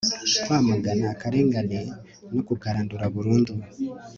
kwamagana akarengane no kukarandura burundu